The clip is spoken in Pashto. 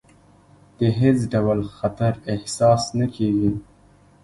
د هېڅ ډول خطر احساس نه کېږي.